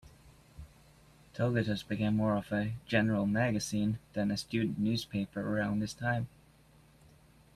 Togatus became more of a general magazine than a student newspaper around this time.